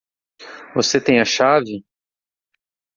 Você tem a chave?